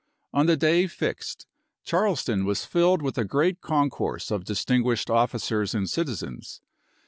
On the day fixed Charleston was filled with a great concourse of distinguished officers and citizens.